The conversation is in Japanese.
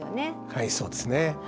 はいそうですね。